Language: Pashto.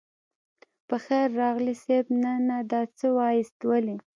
په خير راغلئ صيب نه نه دا څه واياست ولې.